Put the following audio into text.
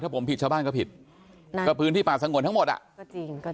ผมผิดชาวบ้านก็ผิดนะก็พื้นที่ป่าสงวนทั้งหมดอ่ะก็จริงก็